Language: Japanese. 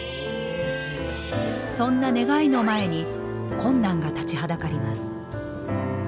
そんな願いの前に困難が立ちはだかります。